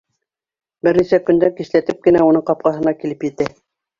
Бер нисә көндән кисләтеп кенә уның ҡапҡаһына килеп етә.